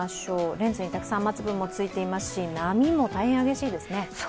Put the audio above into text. レンズにたくさん雨粒もついていますし波も大変激しいですね。